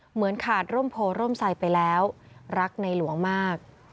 เหมือนขาดร่มโพร่มใสไปแล้วรักในหลวงมาก